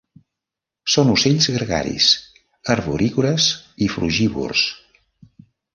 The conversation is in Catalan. Són ocells gregaris, arborícoles i frugívors.